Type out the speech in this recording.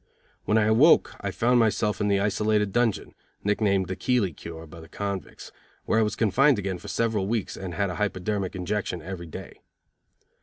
When I awoke I found myself in the isolated dungeon, nicknamed the Keeley Cure by the convicts, where I was confined again for several weeks, and had a hyperdermic injection every day.